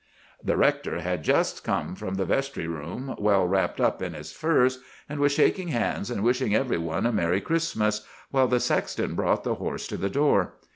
"The rector had just come from the vestry room, well wrapped up in his furs, and was shaking hands and wishing every one a Merry Christmas, while the sexton brought the horse to the door.